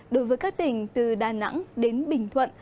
đối với các tỉnh từ đà nẵng đến bình thuận